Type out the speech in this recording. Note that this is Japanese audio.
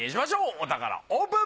お宝オープン。